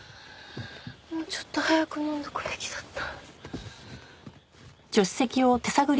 もうちょっと早く飲んでおくべきだった。